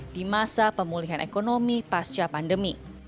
di masa pemulihan ekonomi pasca pandemi